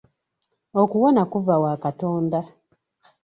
Okuwona kuva wa katonda.